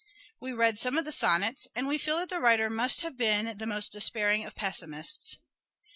We read some of the sonnets and we feel that the writer musr have been the most despairing of pessimists.